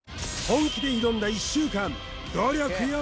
本気で挑んだ１週間努力よ